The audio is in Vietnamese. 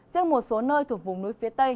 riêng một số nơi thuộc vùng núi phía tây